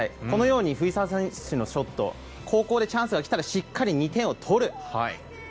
このように藤澤選手のショット後攻でチャンスがきたらしっかり２点を取る。